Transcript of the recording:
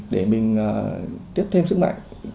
để mình tiếp thêm sức mạnh